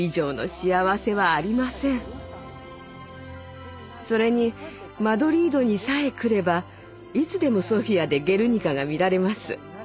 でもそれにマドリードにさえ来ればいつでもソフィアで「ゲルニカ」が見られます。